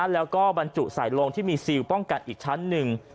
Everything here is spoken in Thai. แล้วก็บรรจุใส่ลงที่มีซิลป้องกันอีกชั้นหนึ่ง